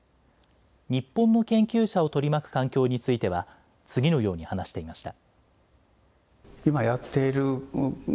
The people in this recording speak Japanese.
日本の研究者を取り巻く環境については次のように話していました。